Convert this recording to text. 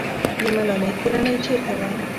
د ملالۍ کورنۍ چېرته وه؟